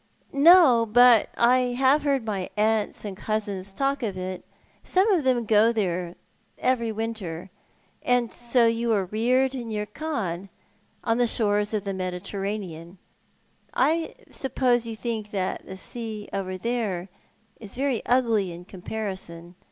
" No ; but I have lieard my aunts and cousins talk of it. Some of them go there every winter. And so you were reared near Cannes, on the shores of the Mediterranean ? I suppose you tliink that soa over there ugly, in comparison